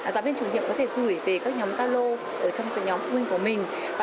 giáo viên chủ nhiệm có thể gửi về các nhóm gia lô ở trong nhóm phụ huynh của mình